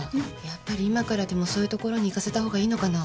やっぱり今からでもそういうところに行かせた方がいいのかな。